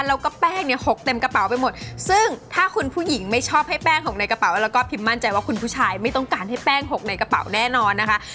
แล้วก็แป้งเนี่ยหกเต็มกระเป๋าไปหมดซึ่งถ้าคุณผู้หญิงไม่ชอบให้แป้งหกในกระเป๋าแล้วก็พิมมั่นใจว่าคุณผู้ชายไม่ต้องการให้แป้งหกในกระเป๋าแน่นอนนะคะ